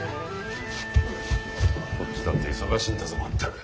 こっちだって忙しいんだぞまったく。